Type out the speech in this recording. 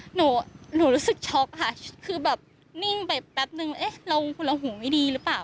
หนูรู้สึกช็อกค่ะคือแบบนิ่งไปแป๊บนึงเอ๊ะเราหูไม่ดีหรือเปล่า